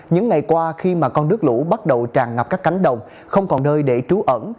những ngày qua khi mà con nước lũ bắt đầu tràn ngập các cánh đồng không còn nơi để trú ẩn